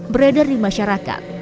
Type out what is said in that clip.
beredar di masyarakat